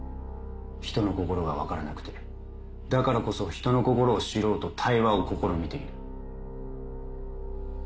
人の心が分からなくてだからこそ人の心を知ろうと対話を試みている。